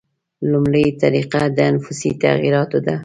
لومړۍ طریقه د انفسي تغییراتو ده.